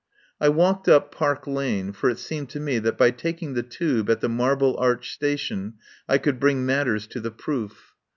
I walked up Park Lane, for it seemed to me that by taking the Tube at the Marble Arch Station I could bring matters to the proof.